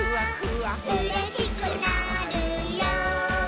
「うれしくなるよ」